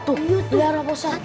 tuh berdarah pak ustadz